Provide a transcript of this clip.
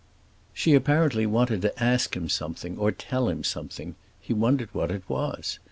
She apparently wanted to ask him something or tell him something; he wondered what it was.